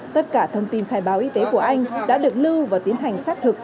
tất cả thông tin khai báo y tế của anh đã được lưu và tiến hành xác thực